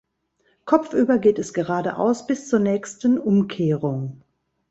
Kopfüber geht es geradeaus bis zur nächsten Umkehrung.